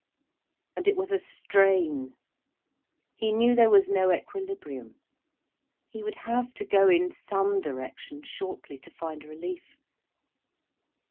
And it was a strain. He knew there was no equilibrium. He would have to go in some direction, shortly, to find relief.